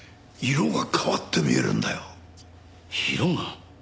色が？